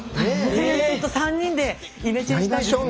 ちょっと３人でイメチェンしたいですね。